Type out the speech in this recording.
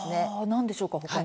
何でしょうか？